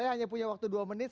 hanya punya waktu dua menit